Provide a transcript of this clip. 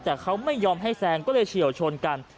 แต่เขาไม่ยอมให้แซงก็เลยเฉียวชนกัน